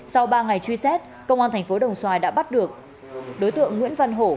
sau ba ngày truy xét công an tp đồng xoài đã bắt được đối tượng nguyễn văn hổ